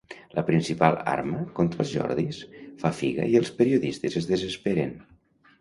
La principal arma contra els Jordis fa figa i els periodistes es desesperen.